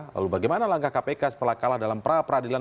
lalu bagaimana langkah kpk setelah kalah dalam pra peradilan